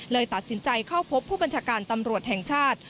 ตัดสินใจเข้าพบผู้บัญชาการตำรวจแห่งชาติ